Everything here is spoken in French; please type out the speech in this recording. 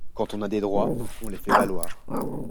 Quand on a des droits, on les fait valoir.